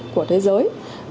của thế giới